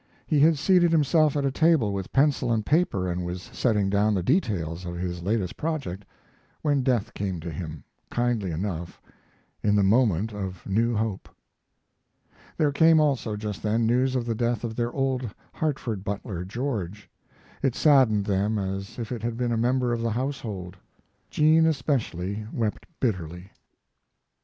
He had seated himself at a table with pencil and paper and was setting down the details of his latest project when death came to him, kindly enough, in the moment of new hope. There came also, just then, news of the death of their old Hartford butler, George. It saddened them as if it had been a member of the household. Jean, especially, wept bitterly.